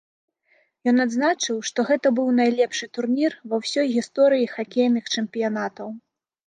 Ён адзначыў, што гэта быў найлепшы турнір ва ўсёй гісторыі хакейных чэмпіянатаў.